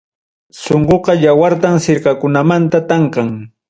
Sunquqa yawartam sirkakunamanta tanqan.